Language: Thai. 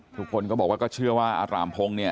ทุกคนก็บอกว่าก็เชื่อว่าอร่ามพงศ์